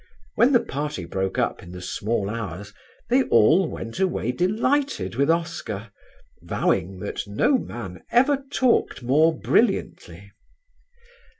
When the party broke up in the small hours they all went away delighted with Oscar, vowing that no man ever talked more brilliantly.